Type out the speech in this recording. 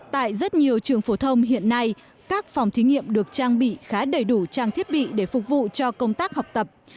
tại rất nhiều trường phổ thông hiện nay các phòng thí nghiệm được trang bị khá đầy đủ trang thiết bị để phục vụ cho công tác học tập